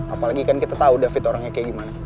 apalagi kan kita tahu david orangnya kayak gimana